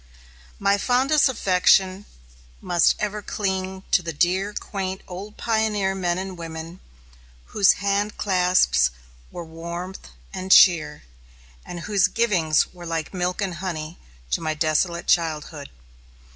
My fondest affection must ever cling to the dear, quaint old pioneer men and women, whose hand clasps were warmth and cheer, and whose givings were like milk and honey to my desolate childhood.